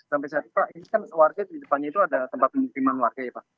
sampai saat ini pak ini kan warga di depannya itu ada tempat pemukiman warga ya pak